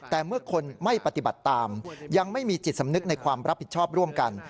แต่เมื่อคนไม่ปฏิบัติตามยังไม่มีจิตสำนึกในความรับผิดชอบร่วมกัน